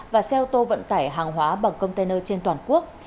và xe ô tô vận tải hàng hóa bằng container trên toàn quốc